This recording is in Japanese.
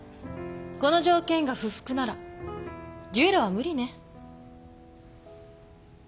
この条件が不服なら決闘は無理ね。